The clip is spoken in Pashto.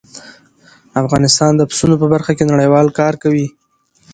افغانستان د پسونو په برخه کې نړیوال کار کوي.